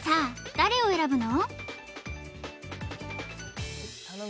誰を選ぶの？